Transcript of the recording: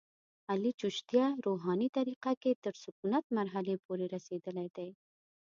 علي چشتیه روحاني طریقه کې تر سکونت مرحلې پورې رسېدلی دی.